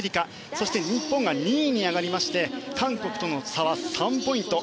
そして日本が２位に上がりまして韓国との差は３ポイント。